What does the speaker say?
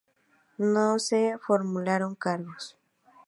No se formularon cargos.